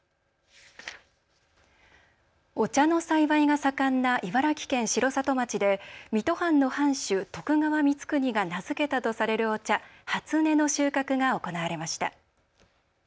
お茶の栽培が盛んな茨城県城里町で水戸藩の藩主、徳川光圀が名付けたとされるお茶、初音の収穫が行われました。